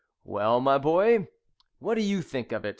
Well, my boy, what do you think of it?"